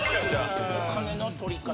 お金の取り方。